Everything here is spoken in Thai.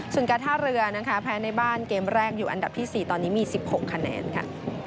ส่วนการท่าเรือนะคะแพ้ในบ้านเกมแรกอยู่อันดับที่๔ตอนนี้มี๑๖คะแนนค่ะ